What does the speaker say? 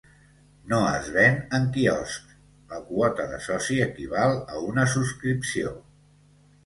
No es ven en quioscs; la quota de soci equival a una subscripció.